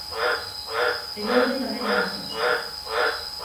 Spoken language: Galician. E doulle tamén datos.